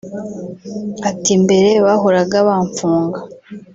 ati "mbere bahoraga bamfuga